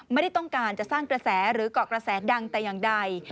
ไม่ได้ต้องการจะสร้างกระแสหรือเกาะกระแสดังแต่อย่างใด